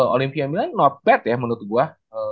olimpia milan note bad ya menurut gue